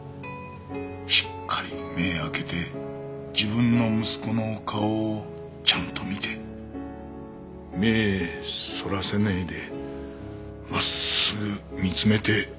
しっかり目ぇ開けて自分の息子の顔をちゃんと見て目ぇそらさないで真っすぐ見つめて。